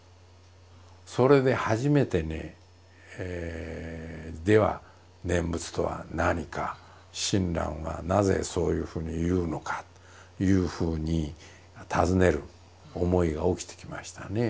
それで初めてねでは念仏とは何か親鸞はなぜそういうふうに言うのかというふうに尋ねる思いが起きてきましたね。